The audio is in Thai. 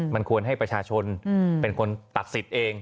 มันควรให้ประชาชนเป็นคนตัดสิทธิ์เอง